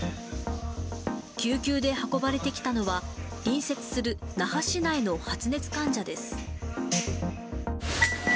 救急で運ばれてきたのは、隣接する那覇市内の発熱患者です。